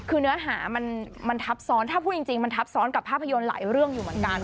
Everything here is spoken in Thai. คือเนื้อหามันทับซ้อนถ้าพูดจริงมันทับซ้อนกับภาพยนตร์หลายเรื่องอยู่เหมือนกัน